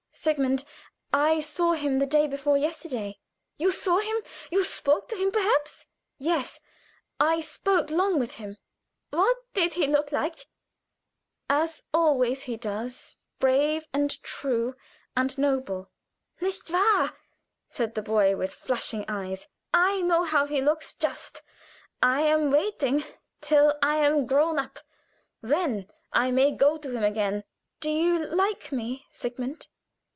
"Sigmund, I saw him the day before yesterday." "You saw him you spoke to him, perhaps?" "Yes. I spoke long with him." "What did he look like?" "As he always does brave, and true, and noble." "Nicht wahr?" said the boy, with flashing eyes. "I know how he looks, just. I am waiting till I am grown up, that I may go to him again." "Do you like me, Sigmund?"